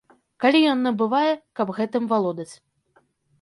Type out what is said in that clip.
Калі ён набывае, каб гэтым валодаць.